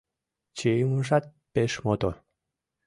Чийымыжат пеш мотор.